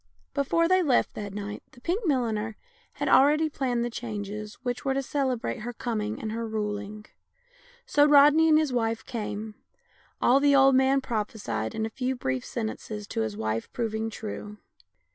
Before they left that night the pink milliner had already planned the changes which were to celebrate her com ing and her ruling. So Rodney and his wife came, all the old man prophe sied in a few brief sentences to his wife proving true.